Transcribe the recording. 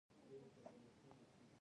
د انار پاڼې د خولې د زخم لپاره وکاروئ